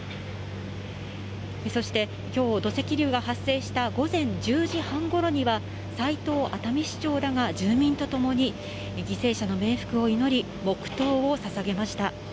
そしてきょう、土石流が発生した午前１０時半ごろには、さいとう熱海市長らが、住民と共に、犠牲者の冥福を祈り、黙とうをささげました。